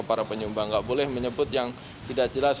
para penyumbang tidak boleh menyebut yang tidak jelas